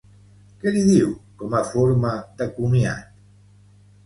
Què li diu, com a forma de comiat?